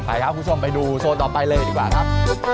ครับคุณผู้ชมไปดูโซนต่อไปเลยดีกว่าครับ